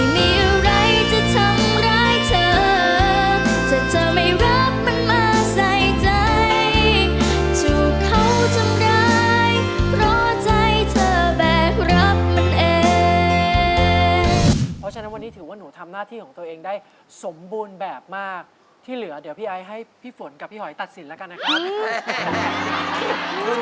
เพราะฉะนั้นวันนี้ถือว่าหนูทำหน้าที่ของตัวเองได้สมบูรณ์แบบมากที่เหลือเดี๋ยวพี่ไอให้พี่ฝนกับพี่หอยตัดสินแล้วกันนะครับ